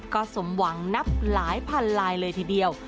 ก็สมหวังนับหลายพันลายเลยทีเดียว